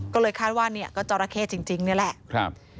ก็เลยคาดว่าเนี่ยก็จอราเข้จริงนี่แหละ